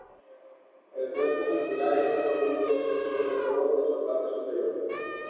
El cuerpo muscular es muy robusto y espeso, sobre todo en su parte superior.